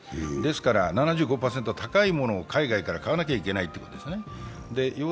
７５％は高いものを海外から買わなきゃいけないということですね。